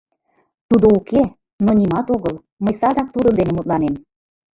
Тудо уке, но нимат огыл — мый садак тудын дене мутланем.